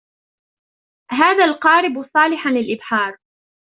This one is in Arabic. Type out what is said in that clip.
هذا القارب صالحاً للإبحار.